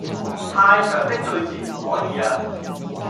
太長的句子唔可以呀